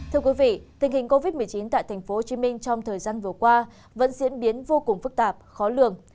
tình hình covid một mươi chín tại tp hcm trong thời gian vừa qua vẫn diễn biến vô cùng phức tạp khó lường